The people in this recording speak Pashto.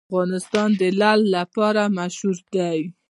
افغانستان د لعل لپاره مشهور دی.